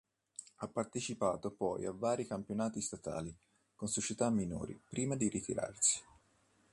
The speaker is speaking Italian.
Ha partecipato poi a vari campionati statali con società minori prima di ritirarsi.